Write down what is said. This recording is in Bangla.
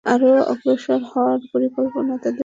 আরো অগ্রসর হবার পরিকল্পনা তাদের ছিল।